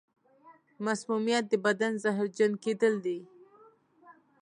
مسمومیت د بدن زهرجن کېدل دي.